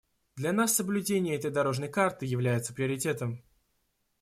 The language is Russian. Для нас соблюдение этой «дорожной карты» является приоритетом.